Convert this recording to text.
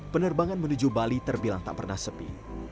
penerbangan menuju bali terbilang tak pernah sepi